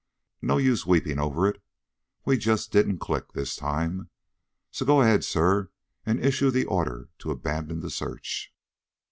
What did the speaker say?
No use weeping over it. We just didn't click this time. So go ahead, sir, and issue the order to abandon the search."